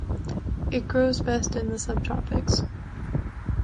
It grows best in the subtropics.